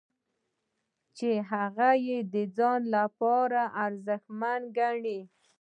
چې هغه یې د ځان لپاره ارزښتمن ګڼي.